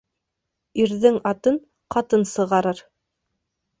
Ирҙең атын ҡатын сығарыр